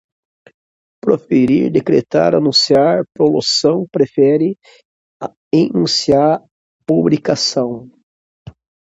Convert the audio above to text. proferir, decretar, enunciar, prolação, profere, enuncia, publicação